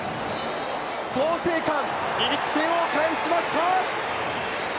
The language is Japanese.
創成館、１点を返しました。